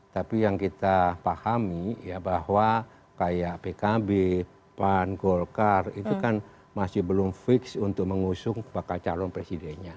tapi yang kita pahami ya bahwa kayak pkb pan golkar itu kan masih belum fix untuk mengusung bakal calon presidennya